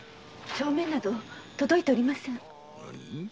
帳面など届いておりません。